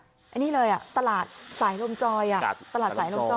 แต่นี่เลยอ่ะตลาดสายรมจอย